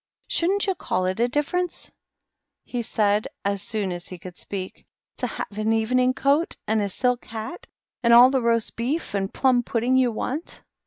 " Shouldn^t you call it a difference," he said, as soon as he could speak, " to have an evening coat, and a silk hat, and all the roast beef and plum pudding you want?"